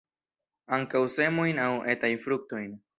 Ankaŭ semojn aŭ etajn fruktojn.